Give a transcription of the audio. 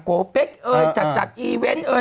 โกรธเอ้ยจัดอีเว่นเอ้ย